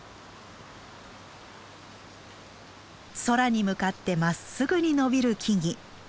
空に向かってまっすぐに伸びる木々。